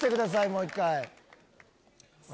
もう一回。